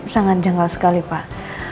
sangat janggal sekali pak